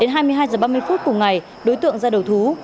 đến hai mươi hai h ba mươi phút cùng ngày đối tượng ra đầu thú